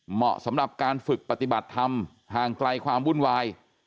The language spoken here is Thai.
เหมาะสำหรับการฝึกปฏิบัติธรรมห่างไกลความวุ่นวาย